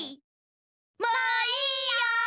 もういいよ！